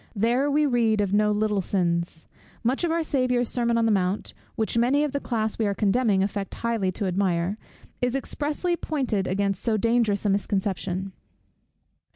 There we read of no little sins. Much of our Saviour's sermon on the mount, which many of the class we are condemning affect highly to admire, is expressly pointed against so dangerous a misconception.